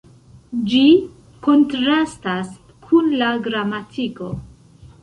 Ĝi kontrastas kun la gramatiko.